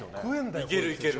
いける、いける。